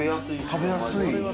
食べやすい。